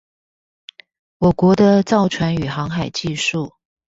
我國的造船與航海技術